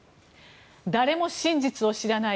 誰も真実を知らない。